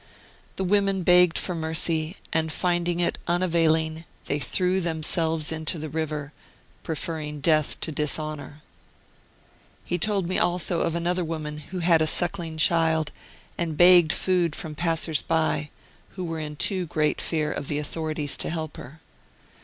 The women begged for mercy, and finding it unavailing they threw themselves into the river, preferring death to dishonour. He told me also of another woman who had a suckling child, and begged food from the passers by, who were in too great fear of the autho rities to help her.